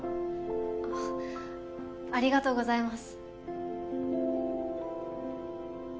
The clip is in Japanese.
ありがとうございます。